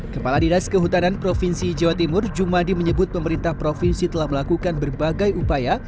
kepala dinas kehutanan provinsi jawa timur jumadi menyebut pemerintah provinsi telah melakukan berbagai upaya